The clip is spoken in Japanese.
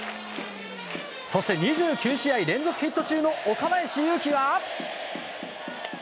そして２９試合連続ヒット中の岡林勇希は。